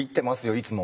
いつも。